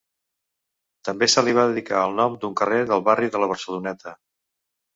També se li va dedicar el nom d’un carrer del barri de la Barceloneta.